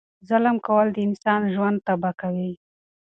ظلم کول د انسان ژوند تبا کوي.